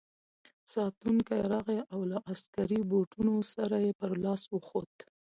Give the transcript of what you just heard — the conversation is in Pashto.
ساتونکی راغی او له عسکري بوټو سره یې پر لاس وخوت.